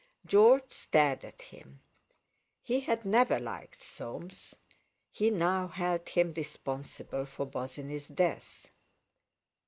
George stared at him. He had never liked Soames; he now held him responsible for Bosinney's death.